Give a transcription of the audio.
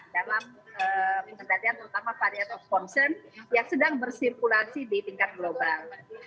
dalam pengendalian terutama varian of concern yang sedang bersirkulasi di tingkat global